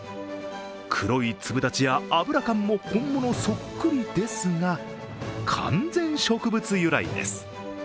黒い粒立ちや脂感も本物そっくりですが完全植物由来です。